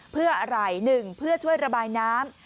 เพื่อไหลหนึ่งเพื่อช่วยระบายน้ำ